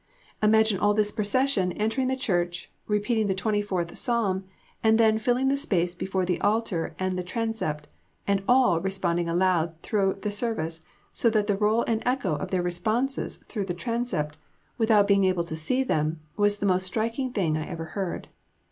Imagine all this procession, entering the church, repeating the 24th Ps. and then filling the space before the altar and the Transept and all responding aloud through the service, so that the roll and echo of their responses through the Transept, without being able to see them, was the most striking thing I ever heard.